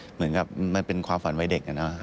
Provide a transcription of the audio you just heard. เหมือนกับมันเป็นความฝันวัยเด็ก